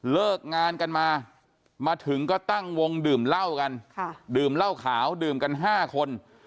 เลิกงานกันมามาถึงก็ตั้งวงดื่มเหล้ากันดื่มเหล้าขาวดื่มกัน๕คน